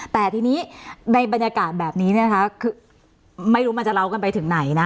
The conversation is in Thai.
แต่ทีนี้ในบรรยากาศแบบนี้คือไม่รู้มันจะเล่ากันไปถึงไหนนะ